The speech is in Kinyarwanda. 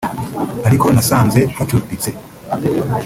ariko nasanze hacuritse